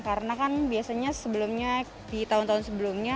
karena kan biasanya sebelumnya di tahun tahun sebelumnya